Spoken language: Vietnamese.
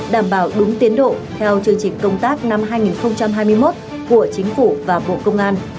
đảm bảo đúng tiến độ theo chương trình công tác năm hai nghìn hai mươi một của chính phủ và bộ công an